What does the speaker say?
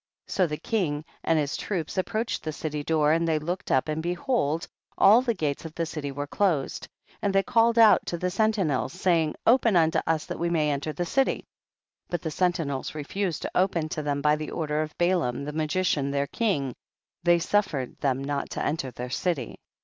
14. So the king and the troops ap proached the city door and they look ed up and behold, all the gates of the city were closed, and they called out to the sentinels, saying, open unto us, that we may enter the city. 15. But the sentinels refused to open to them by the order of Balaam the magician their king, they suffer ed them not to enter their city.